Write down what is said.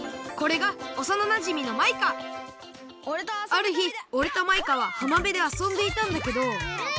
あるひおれとマイカははまべであそんでいたんだけどあっずるい。